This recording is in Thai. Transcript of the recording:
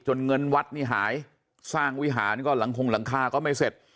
เงินวัดนี่หายสร้างวิหารก็หลังคงหลังคาก็ไม่เสร็จ